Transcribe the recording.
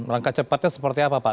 langkah cepatnya seperti apa pak